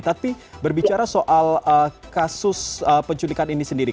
tapi berbicara soal kasus penculikan indisik